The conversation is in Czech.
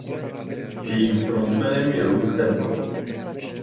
Jejím frontmanem je Luke Temple.